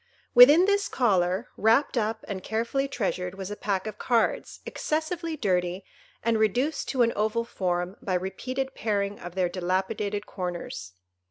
Within this collar, wrapped up and carefully treasured, was a pack of cards, excessively dirty, and reduced to an oval form by repeated paring of their dilapidated corners.